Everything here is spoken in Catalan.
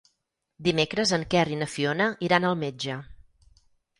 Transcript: Dimecres en Quer i na Fiona iran al metge.